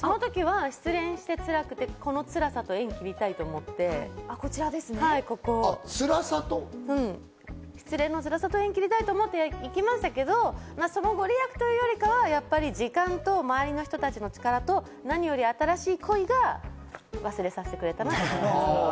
あの時は失恋して辛くて、この辛さと縁を切りたいと思って、ここ行きましたけど、その御利益というよりかは時間と周りの人たちの力と、何より新しい恋が忘れさせてくれたなと。